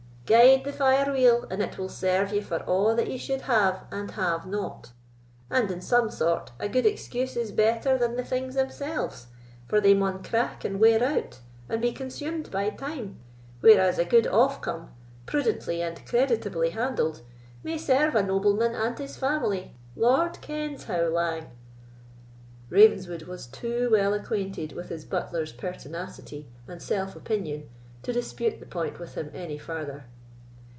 Guide the fire weel, and it will serve ye for a' that ye suld have and have not; and, in some sort, a gude excuse is better than the things themselves; for they maun crack and wear out, and be consumed by time, whereas a gude offcome, prudently and creditably handled, may serve a nobleman and his family, Lord kens how lang!" Ravenswood was too well acquainted with his butler's pertinacity and self opinion to dispute the point with him any farther.